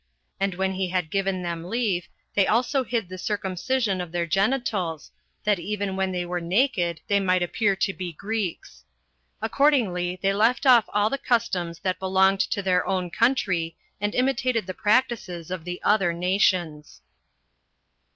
15 And when he had given them leave, they also hid the circumcision of their genitals, that even when they were naked they might appear to be Greeks. Accordingly, they left off all the customs that belonged to their own country, and imitated the practices of the other nations.